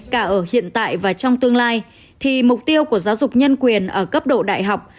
cả ở hiện tại và trong tương lai thì mục tiêu của giáo dục nhân quyền ở cấp độ đại học